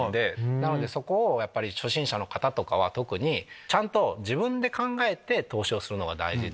なのでそこを初心者の方とかはちゃんと自分で考えて投資をするのが大事で。